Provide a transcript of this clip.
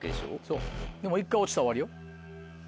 そうでも一回落ちたら終わりよ。